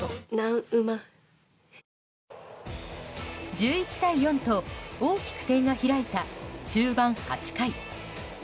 １１対４と大きく点が開いた終盤８回。